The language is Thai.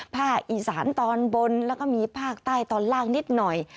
ภาคอีสานตอนบนแล้วก็มีภาคใต้ตอนล่างนิดหน่อย